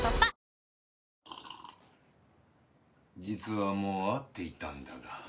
実はもう会っていたんだが。